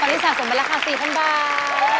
ตอนนี้สะสมไปราคา๔๐๐๐บาท